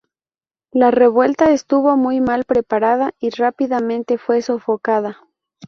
La revuelta estuvo muy mal preparada, y rápidamente fue sofocada.